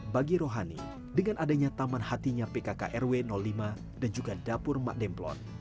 bagi rohani dengan adanya taman hatinya pkk rw lima dan juga dapur mak demplon